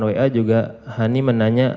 wa juga hani menanya